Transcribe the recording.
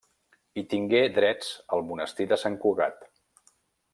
Hi tingué drets el Monestir de Sant Cugat.